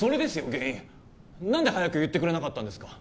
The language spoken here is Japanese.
原因何で早く言ってくれなかったんですか？